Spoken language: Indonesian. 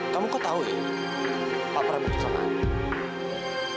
kamu kok tahu ya apa perbuatan kamu